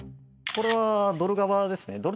これはドルガバですね。